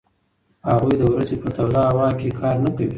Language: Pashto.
هغوی د ورځې په توده هوا کې کار نه کوي.